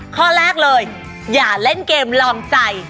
ข้อแรกเลยอย่าเล่นเกมลองใจ